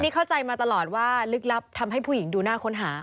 นี่เข้าใจมาตลอดว่าลึกลับทำให้ผู้หญิงดูหน้าค้นหา